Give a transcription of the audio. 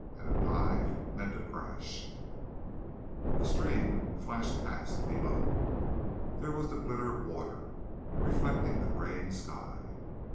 And a dive meant a crash. A stream flashed past below. There was the glitter of water, reflecting the graying sky.